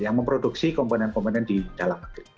yang memproduksi komponen komponen di dalam negeri